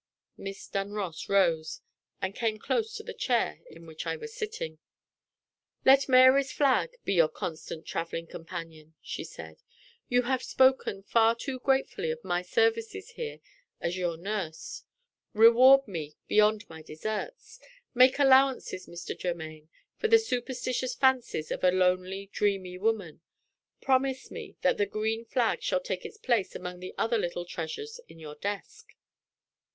Miss Dunross rose, and came close to the chair in which I was sitting. "Let Mary's flag be your constant traveling companion," she said. "You have spoken far too gratefully of my services here as your nurse. Reward me beyond my deserts. Make allowances, Mr. Germaine, for the superstitious fancies of a lonely, dreamy woman. Promise me that the green flag shall take its place among the other little treasures in your desk!"